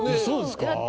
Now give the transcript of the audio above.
そうですか？